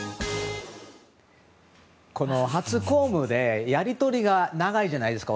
この初公務でやり取りが長いじゃないですか。